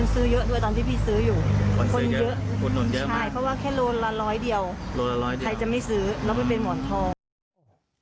เพราะว่าแค่โลละร้อยเดียวใครจะไม่ซื้อแล้วมันเป็นหว่อนทอง